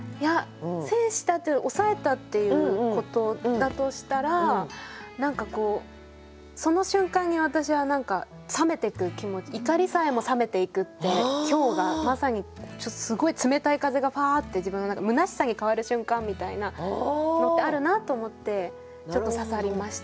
「制した」って抑えたっていうことだとしたら何かこうその瞬間に私は何か冷めてく気持ち怒りさえも冷めていくって氷河まさにすごい冷たい風がパーッて自分のむなしさに変わる瞬間みたいなのってあるなと思ってちょっと刺さりましたね。